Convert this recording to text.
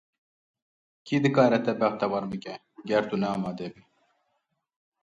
Kî dikare te bextewar bike, ger tu ne amade bî?